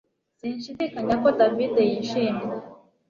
Sinshidikanya ko David yishimye